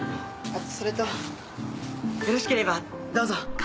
それとよろしければどうぞ。